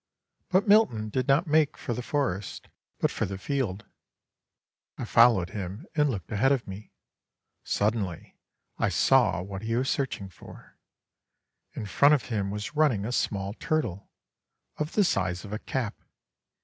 But Milton did not make for the forest, but for the field. I followed him and looked ahead of me. Suddenly I saw what he was searching for. In front of him was running a small turtle, of the size of a cap.